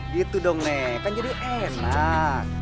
gitu dong nih kan jadi enak